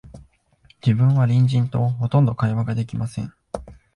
自分は隣人と、ほとんど会話が出来ません